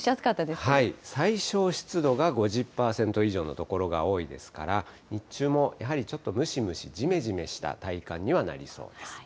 最小湿度が５０％以上の所が多いですから、日中もやはりちょっとムシムシ、じめじめした体感にはなりそうです。